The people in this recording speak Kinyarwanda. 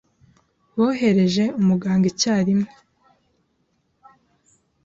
Bohereje umuganga icyarimwe.